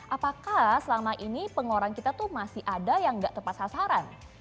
apakah selama ini pengeluaran kita tuh masih ada yang nggak tepat sasaran